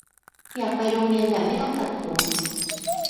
อยากไปโรงเรียนแบบไม่ต้องตัดผม